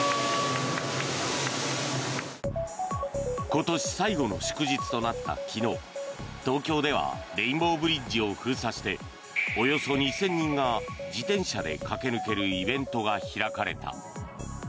今年最後の祝日となった昨日東京ではレインボーブリッジを封鎖しておよそ２０００人が自転車で駆け抜けるイベントが開かれた。